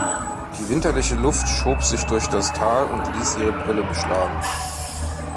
Die winterliche Luft schob sich durch das Tal und ließ ihre Brille beschlagen.